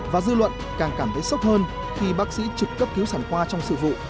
và dư luận càng cảm thấy sốc hơn khi bác sĩ trực cấp cứu sản khoa trong sự vụ